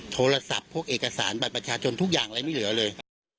โทรศัพท์พวกเอกสารบัตรประชาชนทุกอย่างอะไรไม่เหลือเลย